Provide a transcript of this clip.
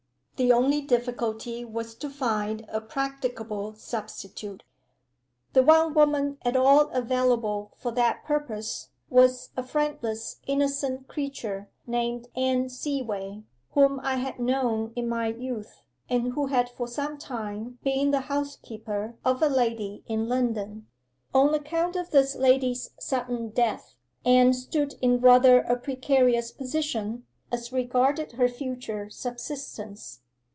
'The only difficulty was to find a practicable substitute. 'The one woman at all available for the purpose was a friendless, innocent creature, named Anne Seaway, whom I had known in my youth, and who had for some time been the housekeeper of a lady in London. On account of this lady's sudden death, Anne stood in rather a precarious position, as regarded her future subsistence.